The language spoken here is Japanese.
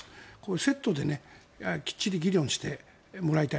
セットできっちり議論してもらいたい。